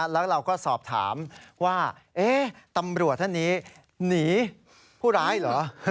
แล้วเราก็สอบถามว่าตำรวจท่านนี้หนีผู้ร้ายเหรอ